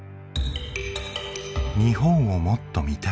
日本をもっと見たい。